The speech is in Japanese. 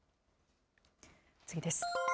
次です。